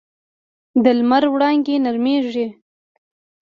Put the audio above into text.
د لمر وړانګې نرمېږي